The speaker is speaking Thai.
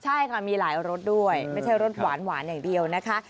ใช่ค่ะมีหลายรสด้วยไม่ใช่รสหวานอย่างเดียวนะคะ